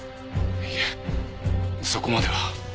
いえそこまでは。